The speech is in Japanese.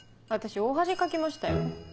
私大恥かきましたよ。